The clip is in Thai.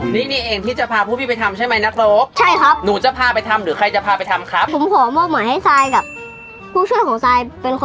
นี่นี่เองที่จะพาผู้ชายไปทำใช่ไหมนักโน้ก